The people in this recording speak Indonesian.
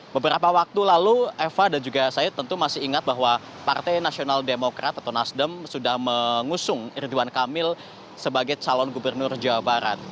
beberapa waktu lalu eva dan juga saya tentu masih ingat bahwa partai nasional demokrat atau nasdem sudah mengusung ridwan kamil sebagai calon gubernur jawa barat